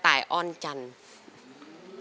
สวัสดีครับ